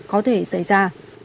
có thể xảy ra